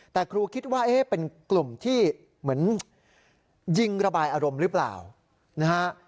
แต่ครูคิดว่าเป็นกลุ่มที่เหมือนยิงระบายอารมณ์หรือเปล่านะฮะ